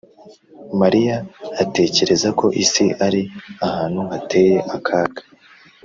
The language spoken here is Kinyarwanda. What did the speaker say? mariya atekereza ko isi ari ahantu hateye akaga.